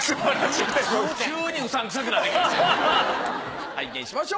急にうさんくさくなってきました。